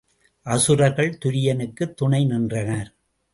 அசுரர்கள் துரியனுக்குத் துணை நின்றனர்.